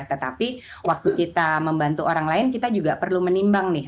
tetapi waktu kita membantu orang lain kita juga perlu menimbang nih